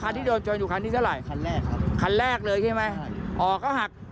คันแรกเลยใช่ไหม